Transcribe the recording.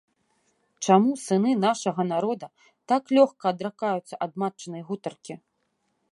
Чаму сыны нашага народа так лёгка адракаюцца ад матчынай гутаркі?